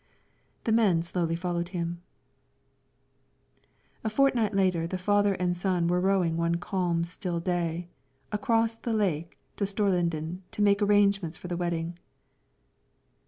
The men slowly followed him. A fortnight later, the father and son were rowing one calm, still day, across the lake to Storliden to make arrangements for the wedding.